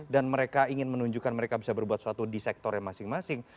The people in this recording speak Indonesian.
dan mereka ingin menunjukkan mereka bisa berbuat sesuatu di sektor yang masing masing